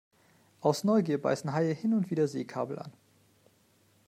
Aus Neugier beißen Haie hin und wieder Seekabel an.